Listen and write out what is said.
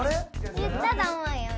言ったと思うよメイ。